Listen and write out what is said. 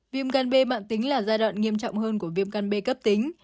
viêm gan b mạng tính là giai đoạn nghiêm trọng hơn của viêm gan b cấp tính